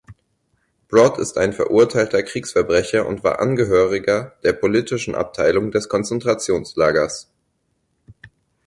Broad ist ein verurteilter Kriegsverbrecher und war Angehöriger der Politischen Abteilung des Konzentrationslagers.